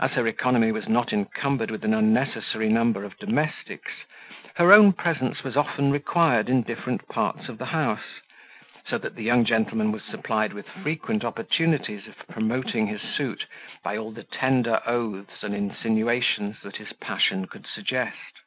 As her economy was not encumbered with an unnecessary number of domestics, her own presence was often required in different parts of the house, so that the young gentleman was supplied with frequent opportunities of promoting his suit by all the tender oaths and insinuations that his passion could suggest.